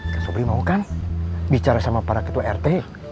kak sobri mau kan bicara sama para ketua rt